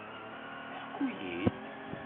Ḥku-yi-d!